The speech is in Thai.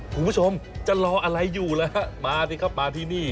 คุณผู้ชมจะรออะไรอยู่แล้วฮะมาสิครับมาที่นี่